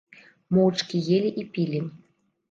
Моўчкі елі і пілі.